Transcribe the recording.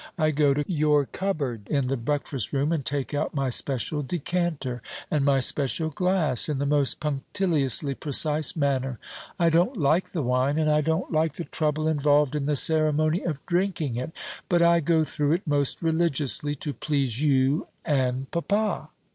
I go to your cupboard in the breakfast room and take out my special decanter, and my special glass, in the most punctiliously precise manner. I don't like the wine, and I don't like the trouble involved in the ceremony of drinking it; but I go through it most religiously, to please you and papa."